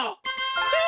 えっ？